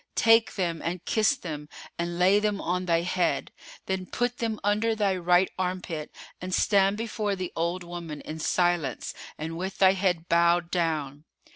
Take them and kiss them and lay them on thy head[FN#456]; then put them under thy right armpit and stand before the old woman, in silence and with thy head bowed down.